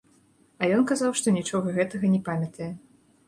А ён казаў, што нічога гэтага не памятае.